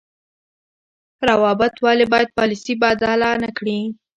روابط ولې باید پالیسي بدله نکړي؟